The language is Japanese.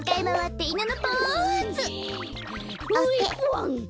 ワン。